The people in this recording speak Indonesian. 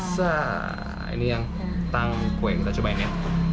saah ini yang tangkwenya kita cobain ya